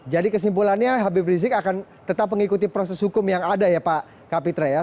jadi kesimpulannya habib rizik akan tetap mengikuti proses hukum yang ada ya pak kapitra ya